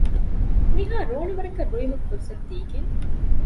ނިހާ ރޯނެ ވަރަކަށް ރުއިމަށް ފުރުޞަތު ދީގެން